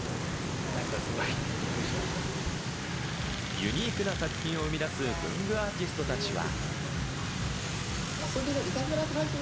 ユニークな作品を生み出す文具アーティストたちは。